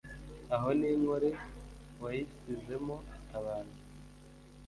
Aho iyo Nkole wayisizemo abantu ?»